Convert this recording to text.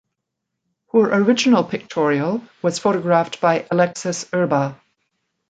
Her original pictorial was photographed by Alexas Urba.